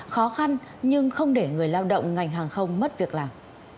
khó khăn nhưng không để người lao động ngành hàng không mất việc làm